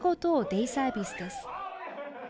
デイサービスです。